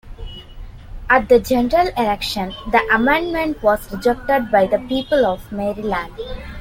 At the general election, the amendment was rejected by the people of Maryland.